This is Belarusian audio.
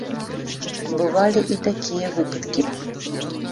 Бывалі і такія выпадкі.